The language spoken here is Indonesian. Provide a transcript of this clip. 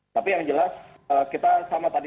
tapi yang jelas kita sama tadi